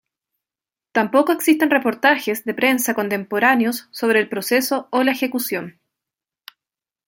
Tampoco existen reportajes de prensa contemporáneos sobre el proceso o la ejecución.